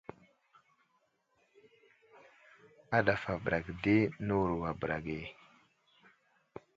A ɗafabəra ge di nəwuro a bəra ge.